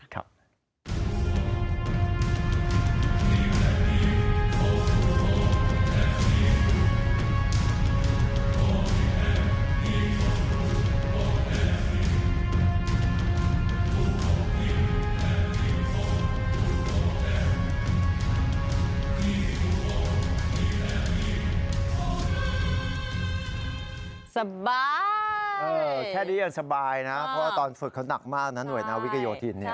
สบายแค่นี้ยังสบายนะเพราะว่าตอนฝึกเขาหนักมากนะหน่วยนาวิกโยธินเนี่ย